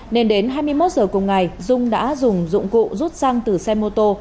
nên đến hai mươi một giờ cùng ngày dung đã dùng dụng cụ rút xăng từ xe mô tô